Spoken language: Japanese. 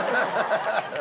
ハハハハ。